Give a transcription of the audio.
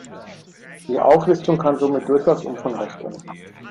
Die Auflistung kann somit durchaus umfangreich werden.